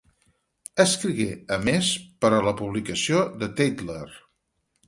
Escrigué, a més, per a la publicació The Tatler.